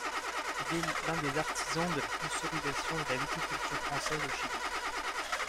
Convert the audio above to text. Il est un des artisans de la consolidation de la viticulture française au Chili.